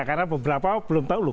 karena beberapa belum tahu loh